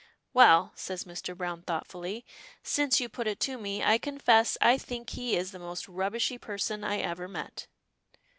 "Well," says Mr. Browne, thoughtfully, "since you put it to me, I confess I think he is the most rubbishy person I ever met!"